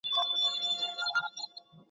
چي اولسونو لره زوال دی `